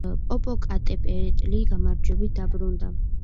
პოპოკატეპეტლი გამარჯვებით დაბრუნდა.